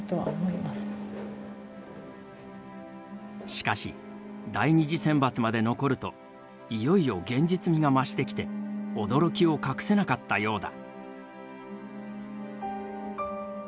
しかし第２次選抜まで残るといよいよ現実味が増してきて驚きを隠せなかったようだ。